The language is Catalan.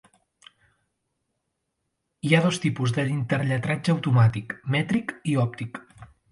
Hi ha dos tipus de interlletratge automàtic: "mètric" i "òptic".